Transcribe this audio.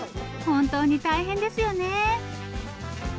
本当に大変ですよね。